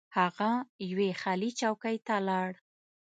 هغه یوې خالي چوکۍ ته لاړ.